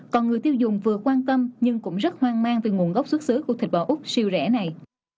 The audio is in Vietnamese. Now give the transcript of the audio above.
còn người tiêu dùng vừa quan tâm nhưng cũng rất hoang mang về nguồn gốc xuất xứ của thịt bò úc siêu rẻ này